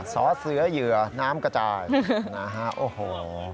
สอเสือเหยื่อน้ำกระจายโอ้โห